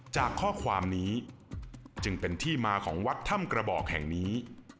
จากข้อความนี้จึงเป็นที่มาของวัดถ้ำกระบอกแห่งนี้